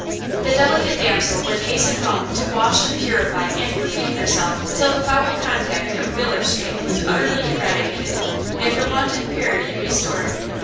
The delicate damsel would hasten home to wash and purify and perfume herself till the foul contact of Wheeler Street was utterly eradicated, and her wonted purity restored.